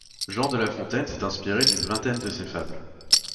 Jean de La Fontaine s'est inspiré d'une vingtaine de ses fables.